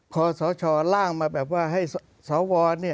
คอสชล่างมาแบบว่าให้สว